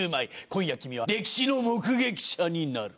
今夜君は歴史の目撃者になる。